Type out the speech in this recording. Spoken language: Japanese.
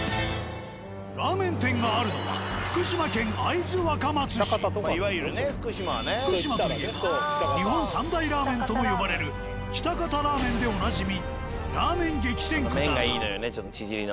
ラーメン店があるのは福島といえば日本三大ラーメンとも呼ばれる喜多方ラーメンでおなじみラーメン激戦区だが。